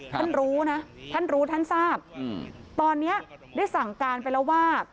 ท่านรู้นะท่านรู้ท่านทราบตอนนี้ได้สั่งการไปแล้วว่า